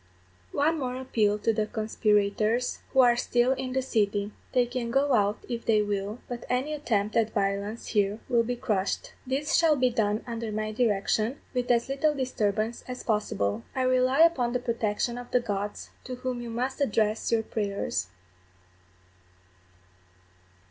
_One more appeal to the conspirators who are still in the city. They can go out if they will, but any attempt at violence here will be crushed. This shall be done under my direction, with as little disturbance as possible. I rely upon the protection of the gods, to whom you must address your prayers.